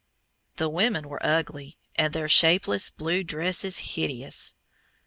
The women were ugly, and their shapeless blue dresses hideous.